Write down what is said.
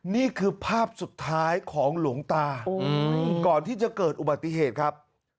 นี่คือภาพสุดท้ายของหลวงตาก่อนที่จะเกิดอุบัติเหตุครับ